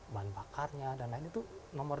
bahan bakarnya dan lain itu nomor